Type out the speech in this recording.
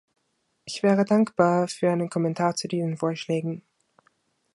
Ich wäre dankbar für einen Kommentar zu diesen Vorschlägen.